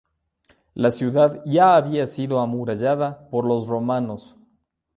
La ciudad ya había sido amurallada por los romanos.